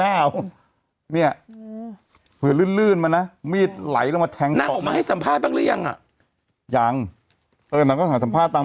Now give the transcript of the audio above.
เเนี่ยเผื่อลื่นลื่นมันนะมีดไหลลงมาน่ะความให้สัมภาษณ์